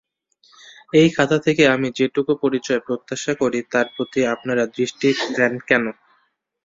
এই খাতা থেকে আমি যেটুকু পরিচয় প্রত্যাশা করি তার প্রতি আপনারা দৃষ্টি দেন কেন?